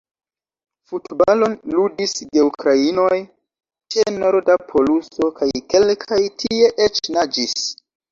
Futbalon ludis geukrainoj ĉe norda poluso – kaj kelkaj tie eĉ naĝis.